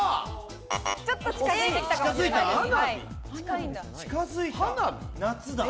ちょっと近づいて来たかな。